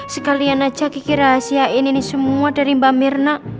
sekalian aja kiki rahasiain ini semua dari mbak mirna